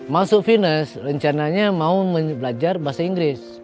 masuk finish rencananya mau belajar bahasa inggris